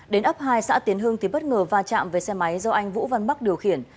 đến ấp hai xã tiến hưng thì bất ngờ va chạm về xe máy do anh vũ văn bắc điều khiển